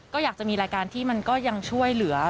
ก็อยากจะมีรายการที่มันก็ยังช่วยเหลือ